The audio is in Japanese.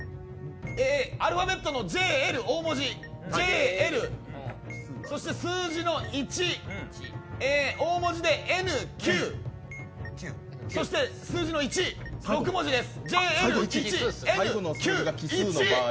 アルファベットのＪ、Ｌ、大文字そして数字の１、大文字でＮ、Ｑ数字の１です。